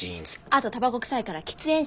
あとタバコ臭いから喫煙者。